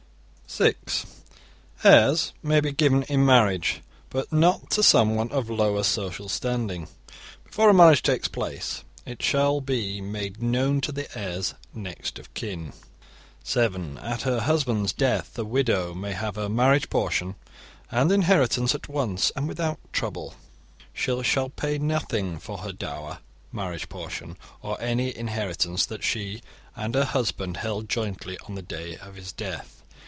(6) Heirs may be given in marriage, but not to someone of lower social standing. Before a marriage takes place, it shall be' made known to the heir's next of kin. (7) At her husband's death, a widow may have her marriage portion and inheritance at once and without trouble. She shall pay nothing for her dower, marriage portion, or any inheritance that she and her husband held jointly on the day of his death.